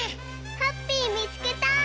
ハッピーみつけた！